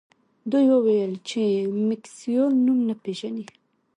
دوی وویل چې میکسویل نوم نه پیژني